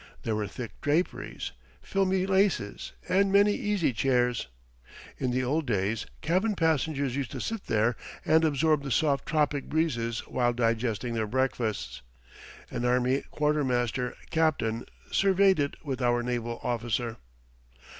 There were thick draperies, filmy laces, and many easy chairs. In the old days cabin passengers used to sit there and absorb the soft tropic breezes while digesting their breakfasts. An army quartermaster captain surveyed it with our naval officer.